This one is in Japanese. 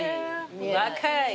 若い。